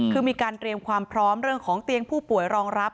คือมีการเตรียมความพร้อมเรื่องของเตียงผู้ป่วยรองรับ